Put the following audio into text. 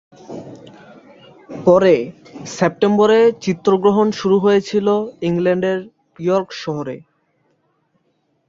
পরে সেপ্টেম্বরে চিত্রগ্রহণ শুরু হয়েছিল ইংল্যান্ডের ইয়র্ক শহরে।